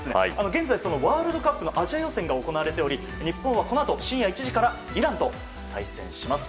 現在ワールドカップのアジア予選が行われており日本はこのあと深夜１時からイランと対戦します。